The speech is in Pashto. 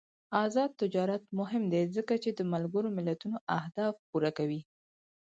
آزاد تجارت مهم دی ځکه چې د ملګرو ملتونو اهداف پوره کوي.